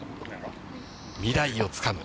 未来をつかむ！